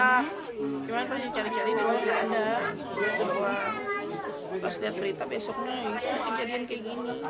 ada ada ada dua pas lihat berita besoknya kejadian kayak gini